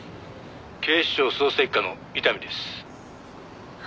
「警視庁捜査一課の伊丹です」